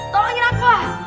tolongin aku lah